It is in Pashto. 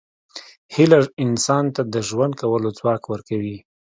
هیله انسان ته د ژوند کولو ځواک ورکوي.